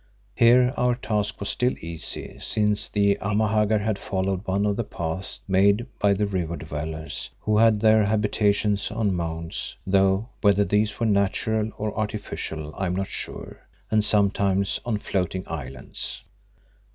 Here our task was still easy since the Amahagger had followed one of the paths made by the river dwellers who had their habitations on mounds, though whether these were natural or artificial I am not sure, and sometimes on floating islands.